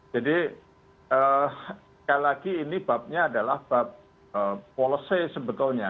jadi sekali lagi ini babnya adalah bab polisi sebetulnya